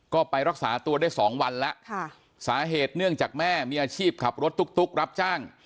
ก็ไปรักษาตัวได้สองวันแล้วค่ะสาเหตุเนื่องจากแม่มีอาชีพขับรถตุ๊กรับจ้าง